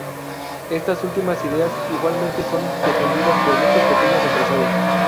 Estas últimas ideas igualmente son defendidas por muchos pequeños empresarios.